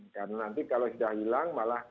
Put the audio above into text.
karena nanti kalau sudah hilang malah